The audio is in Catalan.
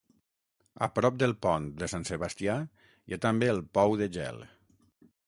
A prop del Pont de Sant Sebastià hi ha també el Pou de Gel.